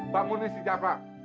bangunin si japrah